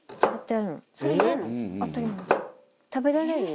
食べられるよ。